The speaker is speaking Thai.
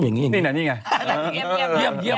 จากธนาคารกรุงเทพฯ